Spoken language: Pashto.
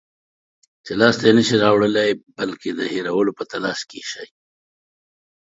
چې لاس ته یې نشی راوړلای، بلکې د هېرولو په تلاش کې شئ